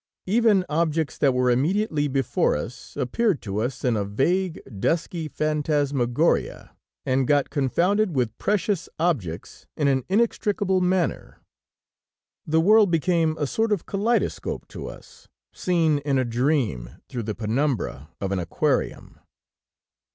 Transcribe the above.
Even objects that were immediately before us appeared to us in a vague, dusky phantasmagoria and got confounded with precious objects in an inextricable manner. The world became a sort of kaleidoscope to us, seen in a dream through the penumbra of an aquarium.